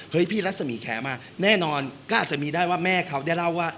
พี่รัศมีแขมาแน่นอนก็อาจจะมีได้ว่าแม่เขาได้เล่าว่า